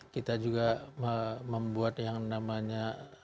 kita juga membuat yang namanya